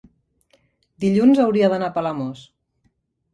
dilluns hauria d'anar a Palamós.